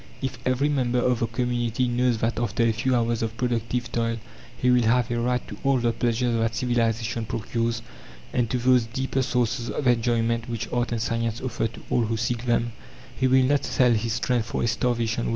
If every member of the community knows that after a few hours of productive toil he will have a right to all the pleasures that civilization procures, and to those deeper sources of enjoyment which art and science offer to all who seek them, he will not sell his strength for a starvation wage.